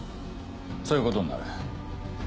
そういうことになる。